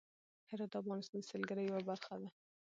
هرات د افغانستان د سیلګرۍ یوه برخه ده.